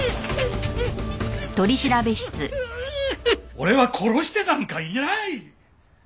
俺は殺してなんかいない！